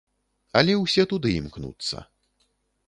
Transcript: Але ўсе туды імкнуцца.